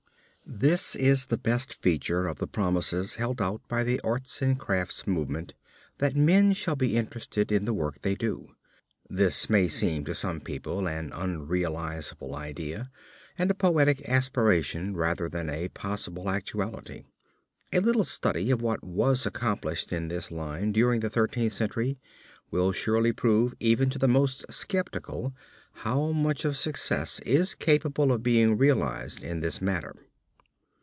This is the best feature of the promises held out by the arts and crafts movement, that men shall be interested in the work they do. This may seem to some people an unrealizable idea and a poetic aspiration rather than a possible actuality. A little study of what was accomplished in this line during the Thirteenth Century, will surely prove even to the most skeptical how much of success is capable of being realized in this matter.